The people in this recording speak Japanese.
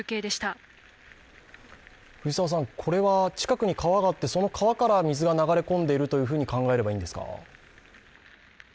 これは近くに川があって、その川から水が流れ込んでいるというふうに考えればいいんですか？